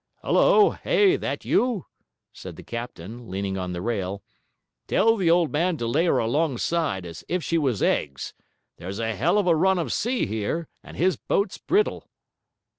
'Hullo, Hay, that you?' said the captain, leaning on the rail. 'Tell the old man to lay her alongside, as if she was eggs. There's a hell of a run of sea here, and his boat's brittle.'